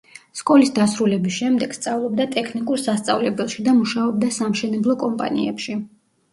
სკოლის დასრულების შემდეგ სწავლობდა ტექნიკურ სასწავლებელში და მუშაობდა სამშენებლო კომპანიებში.